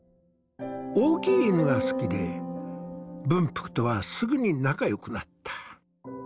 大きい犬が好きで文福とはすぐに仲よくなった。